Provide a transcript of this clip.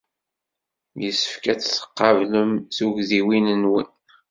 Yessefk ad tqablem tugdiwin-nwen.